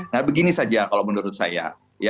nah begini saja kalau menurut saya